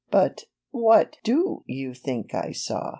"But what do you think I saw?"